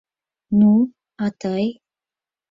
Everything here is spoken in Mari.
— Ну, а тый?